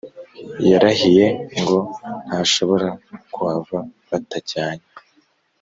yarahiye ngo ntashobora kuhava batajyanye